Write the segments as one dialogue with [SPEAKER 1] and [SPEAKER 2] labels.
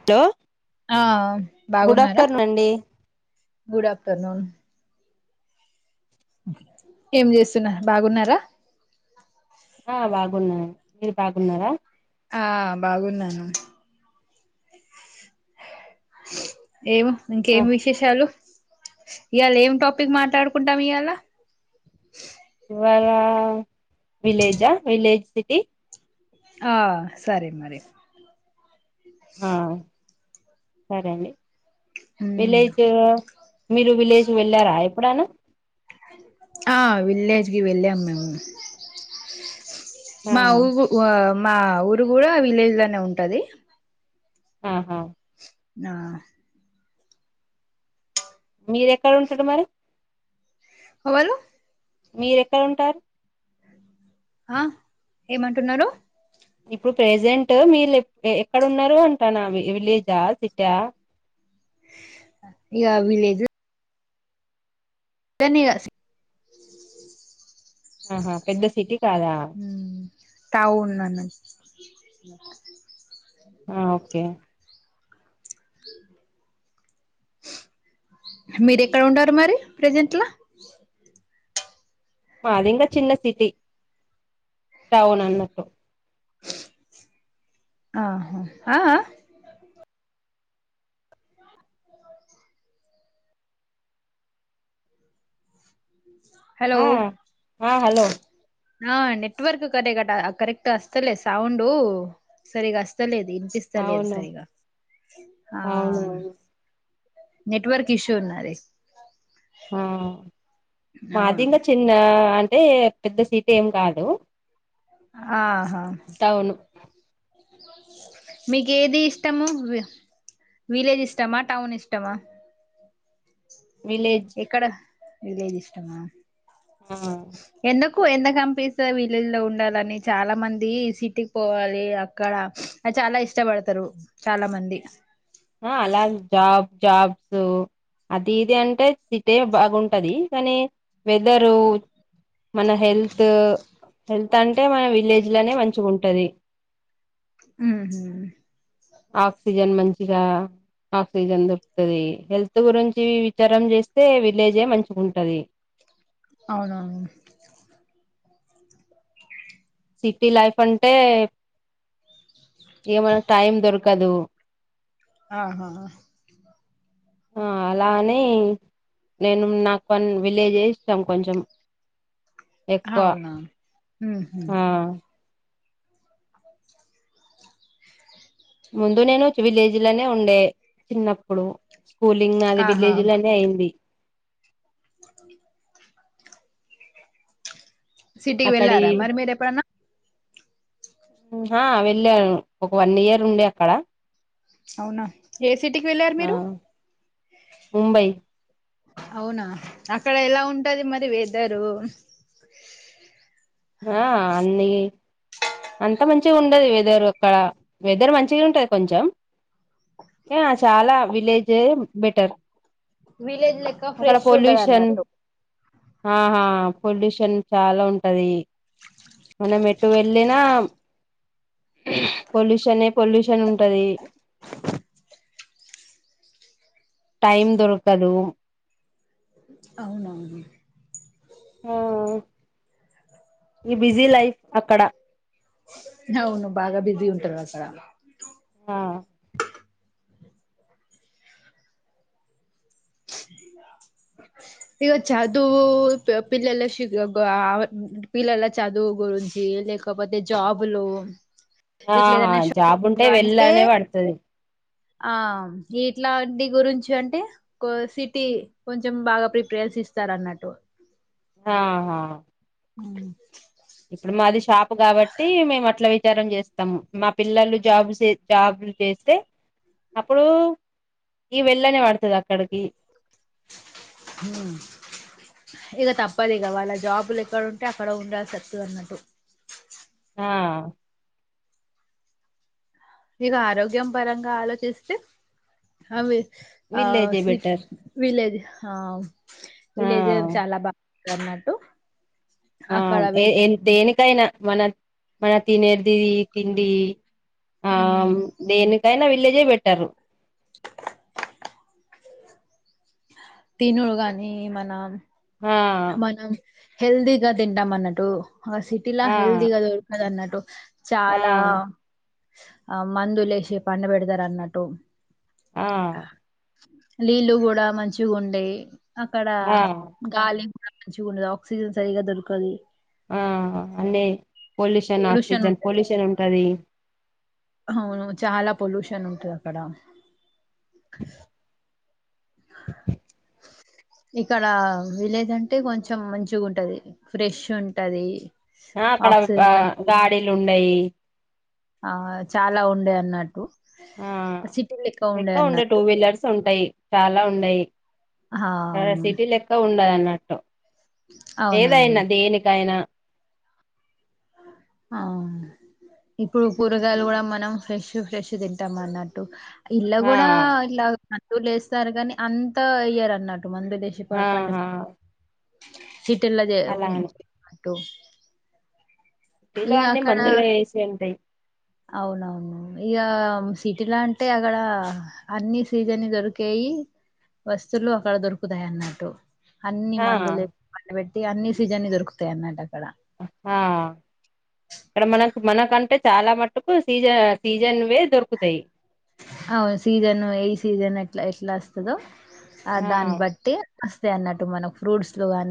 [SPEAKER 1] Hello
[SPEAKER 2] ఆ
[SPEAKER 1] good
[SPEAKER 2] బాగున్నారా
[SPEAKER 1] afternoon అండి.
[SPEAKER 2] Good afternoon. ఏం చేస్తున్నారు బాగున్నారా.
[SPEAKER 1] ఆహ్ బాగున్నా. మీరు బాగున్నారా.
[SPEAKER 2] ఆహ్ బాగున్నాను. ఏమో
[SPEAKER 1] ఆ
[SPEAKER 2] ఇంకేం విశేషాలు. ఇయళ ఏం టాపిక్ మాట్లాడుకుంటాం ఇయళ.
[SPEAKER 1] ఇవాళ విలేజా విలేజ్ సిటీ.
[SPEAKER 2] ఆహ్ సరే మరి.
[SPEAKER 1] ఆహ్ సరే అండి.
[SPEAKER 2] ఉమ్,
[SPEAKER 1] విలేజ్. మీరు విలేజ్ వెళ్ళారా ఎప్పుడన్నా.
[SPEAKER 2] ఆహ్ విలేజ్ కి వెళ్ళాం మేము.
[SPEAKER 1] ఆ
[SPEAKER 2] మా ఊ ఊ ఆహ్ ఆమ్. మా ఊరు కూడా విలేజ్ లనే ఉంటది.
[SPEAKER 1] ఆహా.
[SPEAKER 2] ఆహ్.
[SPEAKER 1] మీరేక్కడ ఉంటారు మరి.
[SPEAKER 2] ఎవలు.
[SPEAKER 1] మీరు ఎక్కడ ఉం
[SPEAKER 2] ఆ ఏమంటున్నారు
[SPEAKER 1] ఇప్పుడు ప్రెజెంట్ మీరు ఎక్కడ ఉన్నారు అంటాను విలేజా సిటీ ఆ
[SPEAKER 2] ఇగ విలేజ్ ఎన్ని గాసి
[SPEAKER 1] ఆహా పెద్ద సిటీ కాదా
[SPEAKER 2] మ్ టవున్నా అన
[SPEAKER 1] ఆ ఓకే
[SPEAKER 2] మీరు ఎక్కడ ఉండారు మరి ప్రెజెంట్లా
[SPEAKER 1] మాదింకా చిన్న సిటీ టౌన్ అన్నట్టు
[SPEAKER 2] ఆహా ఆ ఆ హలో
[SPEAKER 1] హ ఆ హలో
[SPEAKER 2] ఆ నెట్వర్క్ కరక్ కరెక్ట్ అస్తతలే సౌండు సరిగా అస్తలేదు ఇనిపిస్త లేదు
[SPEAKER 1] అవును
[SPEAKER 2] సరిగా ఆ
[SPEAKER 1] అవును అవును
[SPEAKER 2] నెట్వర్క్ ఇష్యూ ఉన్నది
[SPEAKER 1] ఆ
[SPEAKER 2] అవును
[SPEAKER 1] మాదింగా చిన్న అంట అంటే పెద్ద సీటీ ఏం కాదు
[SPEAKER 2] ఆ
[SPEAKER 1] అవును
[SPEAKER 2] మీకు ఏది ఇష్టము విలేజ్ ఇష్టమా టౌన్ ఇష్టమా
[SPEAKER 1] విలేజ్
[SPEAKER 2] ఇక్కడ విలేజ్ ఇష్టమా
[SPEAKER 1] ఆ
[SPEAKER 2] ఎన్నకు కు ఎందుకు అనిపిస్తాది విలేజ్ లో ఉండాలని చాలా మంది సిటీకి పోవాలి అక్కడ అది చాలా ఇష్టపడతారు చాలా మంది
[SPEAKER 1] ఆ అలా జాబ్ జాబ్స్ అది ఇది అంటే సిటీే బాగుంటది కానీ వెదరు మన హెల్త్ హెల్త్ అంటే మన విలేజ్ లోనే మంచి గుంటది
[SPEAKER 2] ఊహు
[SPEAKER 1] ఆక్సిజన్ మంచి ఇగా ఆక్సిజన్ దొరుకుతుంది హెల్త్ గురించి విచారం చేస్తే విలేజే మంచిగా ఉంటది
[SPEAKER 2] అవునవును
[SPEAKER 1] సిటీ లైఫ్ అంటే ఏమైనా టైం దొరకదు
[SPEAKER 2] ఆహా
[SPEAKER 1] ఆ అలానే నేను నాకు విలేజ్ చేయిస్తాం కొంచెం ఎక్కువ
[SPEAKER 2] అవునా ఉహు
[SPEAKER 1] ఆ
[SPEAKER 2] ఆ
[SPEAKER 1] ముందు నేను విలేజ్ లోనే ఉండే చిన్నప్పుడు స్కూలింగ్ నాది
[SPEAKER 2] ఆహా
[SPEAKER 1] విలేజ్ లోనే అయింది
[SPEAKER 2] ఆ సిటీకి
[SPEAKER 1] అక్కడి
[SPEAKER 2] వెళ్ళారా మరి మీరు ఎప్పుడన్నా
[SPEAKER 1] ఆ వెళ్ళాను ఒక వన్ ఇయర్ ఉండే అక్కడ
[SPEAKER 2] అవునా ఏ సిటీకి వెళ్ళారు
[SPEAKER 1] ఆ
[SPEAKER 2] మీరు
[SPEAKER 1] ముంబై
[SPEAKER 2] అవునా అక్కడ ఎలా ఉంటది మరి వెదరు
[SPEAKER 1] ఆ అన్ని అంత మన్ మంచి ఉండది వెదర్ అక్కడ వెదర్ మంచిగా ఉంటది కొంచెం చాలా విలేజె బెటర్
[SPEAKER 2] విలేజ్ లెక్క
[SPEAKER 1] అక్కడ
[SPEAKER 2] ఫ్రెష్ ఉండదు
[SPEAKER 1] పొల్యూషన్
[SPEAKER 2] అన్నట్టు
[SPEAKER 1] ఆహా పొల్యూషన్ చాలా ఉంటది మనం ఎటు వెళ్ళిన పొల్యూషనే పొల్యూషన్ ఉంటది టైం దొరకదు
[SPEAKER 2] అవునవును
[SPEAKER 1] ఆ ఈ బిజీ లైఫ్ అక్కడ
[SPEAKER 2] అవును బాగా బిజీ ఉంటారు అక్కడ
[SPEAKER 1] ఆ
[SPEAKER 2] ఇక చదువు పీ పిల్లల షూ ఆ పిల్లల చదువు గురించి లేకపోతే జాబ్లు
[SPEAKER 1] ఆహా జాబ్ ఉంటే వెళ్ళనే పడుతది
[SPEAKER 2] ఆ ఇట్లాంటి గురించి అంటే కో సిటీ కొంచం కొంచెం బాగా ప్రిఫరెన్స్ ఇస్తారు అన్నట్టు
[SPEAKER 1] ఆహా
[SPEAKER 2] ఉ
[SPEAKER 1] ఇప్పుడు మాది షాప్ కాబట్టి మేము అట్లా విచారం చేస్తాము మా పిల్లలు జాబ్ జాబ్లు చేస్తే అప్పుడు ఈ వెళ్ళనే పడుతది అక్కడికి
[SPEAKER 2] ఇక తప్పదు ఇక వాళ్ళ జాబులు ఎక్కడ ఉంటే అక్కడ ఉండాల్సి వస్తది అన్నట్టు
[SPEAKER 1] ఆ
[SPEAKER 2] ఇక ఆరోగ్యం పరంగా ఆలోచిస్తే అవి ఆ
[SPEAKER 1] విల్లేజే
[SPEAKER 2] సి
[SPEAKER 1] బెటర్
[SPEAKER 2] విలేజ్ ఆ
[SPEAKER 1] ఆ
[SPEAKER 2] విలేజె చాలా బా కర్ణటు
[SPEAKER 1] ఆ ఏ ఏ దేనికైనా మన మన తినేది తిండి ఆ దేనీకైనా విలేజే బేట్టారు
[SPEAKER 2] తినుడు గాని మన
[SPEAKER 1] ఆ
[SPEAKER 2] హెల్తీ గా తింటామ్ అన్నట్టు ఆ సిటీ లా
[SPEAKER 1] ఆ
[SPEAKER 2] హల్దిగా దొరకదు అన్నట్ ట్టు
[SPEAKER 1] ఆ
[SPEAKER 2] చాలా ఆ మందులేసి పండ పెడతారు అన్నట్టు
[SPEAKER 1] ఆ
[SPEAKER 2] నీళ్లు కూడా మంచిగా ఉండేయి అక్కడ
[SPEAKER 1] ఆ
[SPEAKER 2] గాలి [unintelligible] మంచిగా ఉండది ఆక్సిజన్ సరిగా దొరకదు
[SPEAKER 1] ఆ అన్నే పొల్యూషన్ ఆక్సిజన్ పొల్యూషన్ ఉంటది
[SPEAKER 2] అవును చాలా పొల్యూషన్ ఉంటది అక్కడ ఇక్కడ విలేజ్ అంటే కొంచెం మంచిగా ఉంటది ఫ్రెష్ ఉంటది
[SPEAKER 1] ఆ అక్కడ గా
[SPEAKER 2] ఆక్సిజన్ మంచి
[SPEAKER 1] గాడిలు ఉం టయి
[SPEAKER 2] ఆ చాలా ఉండే అన్నట్టు
[SPEAKER 1] ఆ
[SPEAKER 2] సిటీ లెక్క ఉండే
[SPEAKER 1] ఎక్కువ ఉండ టూ
[SPEAKER 2] అన్నట్టు
[SPEAKER 1] వీలర్స్ ఉంటాయి చాలా ఉండయి ఆ సిటీలు ఎక్కువ ఉండదు అన్నట్ పెట్ట
[SPEAKER 2] అవునవును
[SPEAKER 1] ఏదైనా దేనికైనా
[SPEAKER 2] ఆ ఇప్పుడు కూరగాయలు కూడా మనం ఫ్రెష్ ఫ్రెష్ తింటాం అన్నట్టు ఇలా
[SPEAKER 1] ఆ
[SPEAKER 2] కూడా ఇలా లు లేస్తారు గానీ అంత ఇయ్యారు అన్నారుట్ కుటు మంది విదేశీ పాండ్ పంండ
[SPEAKER 1] ఆహా
[SPEAKER 2] సిటిల్లది
[SPEAKER 1] అలా అని
[SPEAKER 2] ట్టూ
[SPEAKER 1] సిటీలో అన్ని మందులు వేసి ఉంటాయి
[SPEAKER 2] అవునవును ఇక సిటీలా అంటే అక్కడ అన్ని సీజన్ దొరికేయి వస్తువులు అక్కడ దొరుకుతాయి అన్నట్టు అన్ని
[SPEAKER 1] ఆ
[SPEAKER 2] మందులే [unintelligible] తయ్ అన్ని సీజన్ దొరుకుతాయి అన్నట్టు అక్కడ
[SPEAKER 1] ఆ ఇక్కడ మనకు మనకంటే చాలా మటుకు సీజ సీజన్ వే దొరుకుతాయి
[SPEAKER 2] అవు సీజన్ వి ఈ సీజన్ ఎట్లా ఎట్లా వస్తుదో ఆ దాని బట్టి కుతాయి అన్నట్ మనకు ఫ్రూట్స్ లో గాన్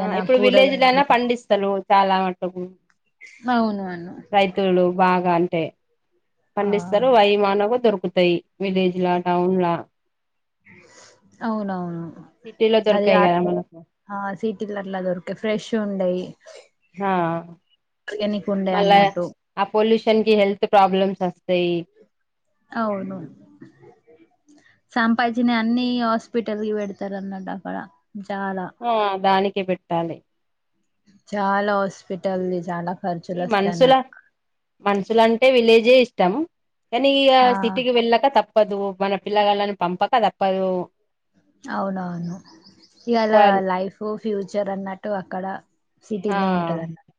[SPEAKER 1] ఆ ఇప్పుడు విలేజ్ లల్లో పండిస్తరు చాలా మటుకు
[SPEAKER 2] అవును
[SPEAKER 1] రైతులు బాగాలు టే
[SPEAKER 2] ఆ
[SPEAKER 1] పండిస్తారు వైమానగా దొరుకు కుతాయి విలేజ్ లా టౌన్ లా
[SPEAKER 2] అవునవును
[SPEAKER 1] సిటీలో
[SPEAKER 2] అది
[SPEAKER 1] దొరకాయి
[SPEAKER 2] ఆర్
[SPEAKER 1] కదా మనకు
[SPEAKER 2] ఆ సీటీల్ల అట్ల దిొరికే ఫ్రెష్ చూండయి
[SPEAKER 1] హా
[SPEAKER 2] ఉండే
[SPEAKER 1] మల్ల
[SPEAKER 2] అన్నట్టు
[SPEAKER 1] ఆ పోలిస్ షన్ కి హెల్త్ ప్రాబ్లమ్స్ వస్తాయి
[SPEAKER 2] అవును సంపాజీచ్చినవి అన్ని హాస్పిటల్ కి పెడతారు అన్నడు అక్కడ చాలా
[SPEAKER 1] ఆ దాని కి పెట్టాలి
[SPEAKER 2] చాలా హాస్పిటల్ది చాల
[SPEAKER 1] ఈ మనుసుుల మను మంసులంటే విలేజే ఇష్టాం అని ఈగ
[SPEAKER 2] ఆ
[SPEAKER 1] సిటీకి వెళ్ళక తప్ప తప్పదు మన పిల్లగాళ్ళని పంపక తప్పదు.
[SPEAKER 2] అవునవును ఇవల
[SPEAKER 1] క్వాల్
[SPEAKER 2] లైఫ్ ఫ్యూచర్ అన్నట్టు అక్కడ
[SPEAKER 1] ఆ
[SPEAKER 2] సిటీనే ఉంటద అన్నడు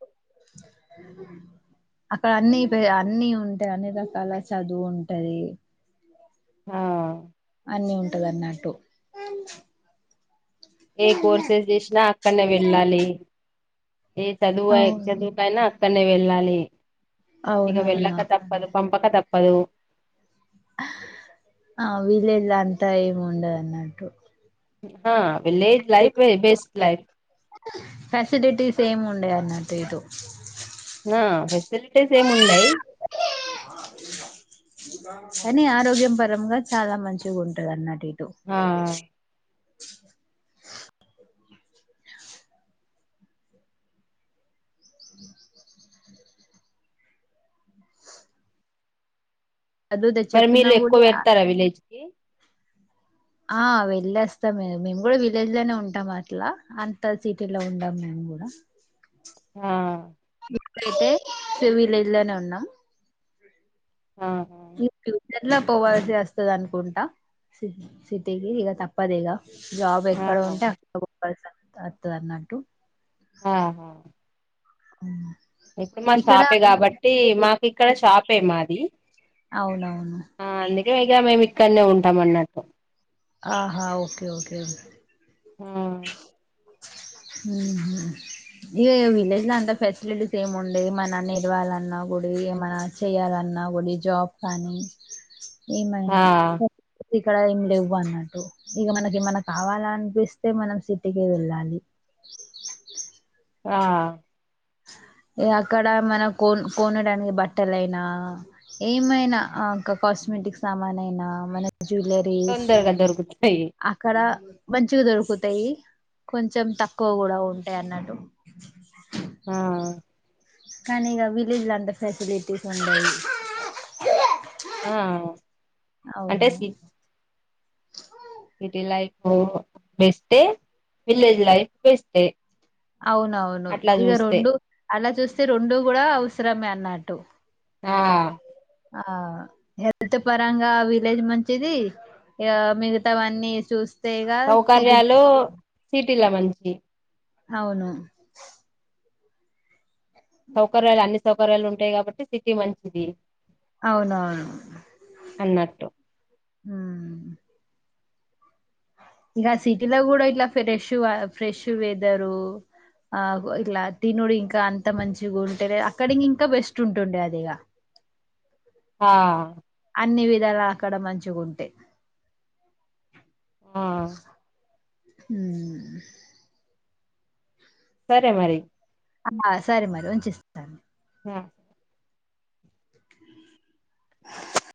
[SPEAKER 2] అక్కడ అన్నిీ పే అన్ని ఉంటాయి అన్ని రకాల చదువు ఉంటది.
[SPEAKER 1] ఆ
[SPEAKER 2] అన్నీ ఉంటదన్నట్టు
[SPEAKER 1] ఏ కోర్సెస్ చేసినా అక్కడనే వెళ్ళాలి ఏ చదువు
[SPEAKER 2] అవును
[SPEAKER 1] చదువుకైనా అక్కడ నే వెళ్ళాలి. ఇక
[SPEAKER 2] అవునవును
[SPEAKER 1] వెళ్ళక
[SPEAKER 2] అక్కనే
[SPEAKER 1] తప్పదు పంపక తప్పదు. పద
[SPEAKER 2] ఆ వీల్లిళ్ళు అంతా ఏం ఉండదు అన్నట్టు
[SPEAKER 1] ఆ విలేజ్ లైఫ్ ఏ బెస్ట్లైఫ్
[SPEAKER 2] ఫెసిలిటీస్ ఏము ఉండయన్నట్టు ఇటు
[SPEAKER 1] ఆ ఫెసలిటీీస్ ఏము ఉండయి
[SPEAKER 2] కానీ ఆరోగ్యం పరంగా చాలా మంచిగా ఉంటది అన్నటి టు
[SPEAKER 1] ఆ
[SPEAKER 2] [inaudible] చదువు తె
[SPEAKER 1] మరి
[SPEAKER 2] చెప్పినా
[SPEAKER 1] మీళ్ళు ఎక్కువ
[SPEAKER 2] కూడా
[SPEAKER 1] పెడతారా విలేజ్ ఏ
[SPEAKER 2] ఆ వెళ్ళేస్తాం మేము మేము కూడా విలేజ్ లోనే ఉంటాం అట్లా అంత సిటీలో ఉండం మేము కూడా
[SPEAKER 1] ఆ
[SPEAKER 2] అయితే విలేజ్ లోనే ఉన్నాం
[SPEAKER 1] ఆ
[SPEAKER 2] ఫ్యూచర్ లో పోవల్సి వస్తుంది అనుకుంటా సిటీకి ఇక తప్పదు ఇక జాబ్
[SPEAKER 1] ఆ
[SPEAKER 2] ఎక్కడ ఉంటే అక్కడ అత్ తనాట్టు
[SPEAKER 1] ఆ ఆహా
[SPEAKER 2] ఓ
[SPEAKER 1] ఇప్పుడు మా షాపే కాబట్టి మాకు ఇక్కడ షాప్ ప్పే మాది
[SPEAKER 2] అవునవును
[SPEAKER 1] ఆ అందుకే ఇగ మేం ఇక్కడ్నే ఉంటాం తమనాటు
[SPEAKER 2] ఆహా ఓకే ఓకే
[SPEAKER 1] ఆ
[SPEAKER 2] [inaudible] ఇ విలేజ్ లో అంత ఫెసిలిటీస్ ఏమి ఉండే ఏమన్నా నిలవాలన్నా కూడా ఏమైనా చెయ్యాలన్నా కూడా జాబ్ కానీ ఏమైనా
[SPEAKER 1] ఆ
[SPEAKER 2] సరే ఇక్కడ ఏమి లేవు అన్నట్టు ఇక మనకి ఏమన్నా కావాల అనిపిస్తే మనం సిటీకి వెళ్ళాలి [inaudible]
[SPEAKER 1] ఆ
[SPEAKER 2] అక్కడ మనం కోన్ కొనడానికి బట్టల అయినా ఏమైనా కాస్మెటిక్ సామాన్ అయినా మన జ్యువలరీస్
[SPEAKER 1] తొందరగా దొరుకుతాయి
[SPEAKER 2] అక్కడ మంచిగా దొరుకుతాయి కొంచెం తక్కువ కూడా ఉంటాయి అన్నట్టు
[SPEAKER 1] ఆ
[SPEAKER 2] కానీ ఇక విలేజ్ అంతా ఫెసిలిటీస్ ఉండవు
[SPEAKER 1] ఆ
[SPEAKER 2] అవును
[SPEAKER 1] అంటే సి సిటీ లైఫ్ బెస్టే విలేజ్ లైఫ్ బెస్టే
[SPEAKER 2] అవునవును
[SPEAKER 1] అట్లా
[SPEAKER 2] ఇక
[SPEAKER 1] చూస్తే
[SPEAKER 2] రెండు అలా చూస్త రెండు కూడా అవసరమే అన్నట్టు
[SPEAKER 1] ఆ
[SPEAKER 2] ఆ హెల్త్ పరంగా విలేజ్ మంచిది మిగతావన్నీ చూ
[SPEAKER 1] సౌకర్యాలు సీటీలా మంచిీ
[SPEAKER 2] అవును
[SPEAKER 1] సౌకర్యాలు అన్ని సౌకర్యాలు ఉంటాయ్ కాబట్టి సిటీ మంచిది
[SPEAKER 2] అవునవును
[SPEAKER 1] అన్నట్టు
[SPEAKER 2] ఇంకా సిటీలో కూడా ఇట్ల ఫ్రెష్ గ ఫ్రెష్ వెదరు ఆ ఇట్ల తినుడు ఇంక కా అంత మంచిగా ఉంటే అక్కడికింక బెస్ట్ చిన్టుండే అదిగ
[SPEAKER 1] ఆ
[SPEAKER 2] అన్ని విధాలా అక్కడ మంచిగుంటే
[SPEAKER 1] ఆ
[SPEAKER 2] ఆ హ్మ్
[SPEAKER 1] సరే మరి
[SPEAKER 2] ఆ సరే మరి వంచిస్తాను
[SPEAKER 1] హ్మ్
[SPEAKER 2] ఆ